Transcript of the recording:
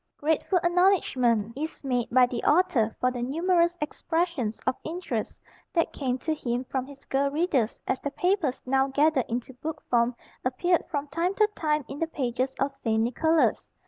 Grateful acknowledgment is made by the author for the numerous expressions of interest that came to him from his girl readers as the papers now gathered into book form appeared from time to time in the pages of St. Nicholas.